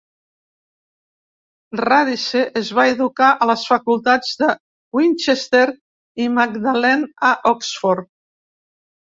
Radice es va educar a les facultats de Winchester i Magdalen, a Oxford.